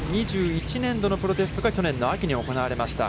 ２０２１年度のプロテストが去年の秋に行われました。